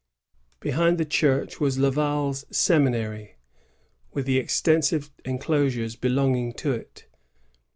Behind the church was Laval's semi nary, with the extensive enclosures belonging to it.